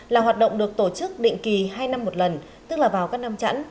là hoạt động được tổ chức định kỳ hai năm một lần tức là vào các năm chẵn